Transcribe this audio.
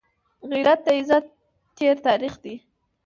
غیرت د عزت تېر تاریخ دی